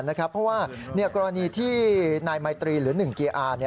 เพราะว่ากรณีที่นายไมตรีหรือหนึ่งเกียร์อาร์